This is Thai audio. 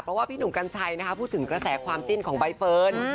เพราะว่าพี่หนุ่มกัญชัยพูดถึงกระแสความจิ้นของใบเฟิร์น